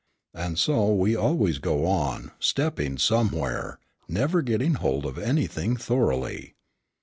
And so we always go on, stepping somewhere, never getting hold of anything thoroughly.